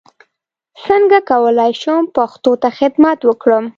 څنګه کولای شم پښتو ته خدمت وکړم